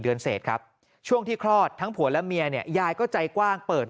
เดือนเศษครับช่วงที่คลอดทั้งผัวและเมียเนี่ยยายก็ใจกว้างเปิด